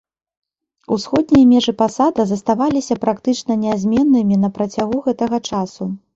Усходнія межы пасада заставаліся практычна нязменнымі на працягу гэтага часу.